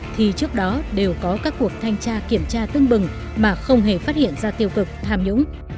thì trước đó đều có các cuộc thanh tra kiểm tra tưng bừng mà không hề phát hiện ra tiêu cực tham nhũng